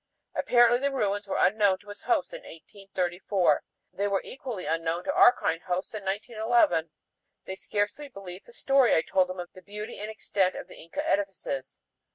Apparently the ruins were unknown to his hosts in 1834. They were equally unknown to our kind hosts in 1911. They scarcely believed the story I told them of the beauty and extent of the Inca edifices.